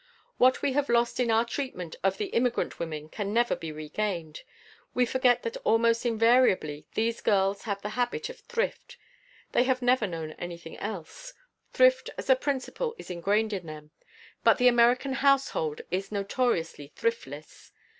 What we have lost in our treatment of the immigrant women can never be regained. We forget that almost invariably these girls have the habit of thrift. They have never known anything else. Thrift as a principle is ingrained in them. But the American household is notoriously thriftless.